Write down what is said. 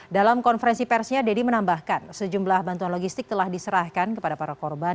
dalam konferensi persnya deddy menambahkan sejumlah bantuan logistik telah diserahkan kepada para korban